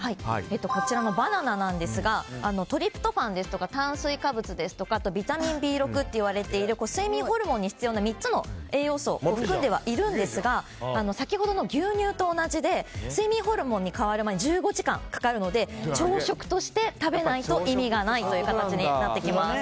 バナナなんですがトリプトファンですとか炭水化物ですとかあとビタミンＢ６といわれている睡眠ホルモンに必要な３つの栄養素を含んでいるんですが先ほどの牛乳と同じで睡眠ホルモンに変わるまで１５時間かかるので朝食として食べないと意味がないという形になってきます。